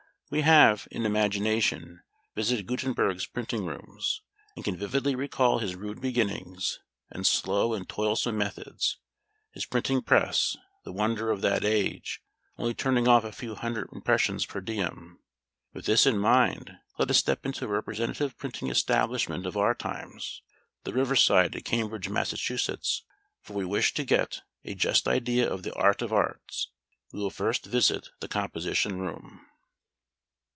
We have, in imagination, visited Gutenberg's Printing Rooms, and can vividly recall his rude beginnings and slow and toilsome methods; his printing press; the wonder of that age, only turning off a few hundred impressions per diem. With this in mind, let us step into a representative printing establishment of our times, the "Riverside," at Cambridge, Mass.; for we wish to get a just idea of the Art of arts. We will first visit the Composition Room.